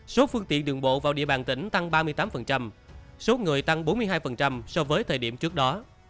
số phương tiện đường bộ vào địa bàn tỉnh tăng ba mươi tám số người tăng bốn mươi hai so với thời điểm trước đó